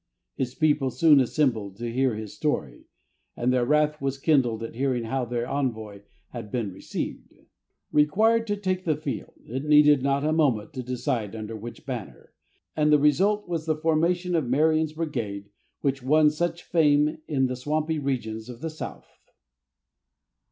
His people soon assembled to hear his story, and their wrath was kindled at hearing how their envoy had been received. Required to take the field, it needed not a moment to decide under which banner, and the result was the formation of Marion's Brigade, which won such fame in the swampy regions of the South.